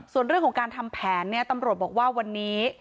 ส่วนเรื่องของการทำแผนเนี่ยตำรวจบอกว่าวันนี้